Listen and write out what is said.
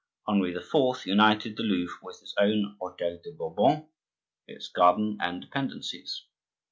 Henri IV. united the Louvre with his own hotel de Bourbon, its garden and dependencies.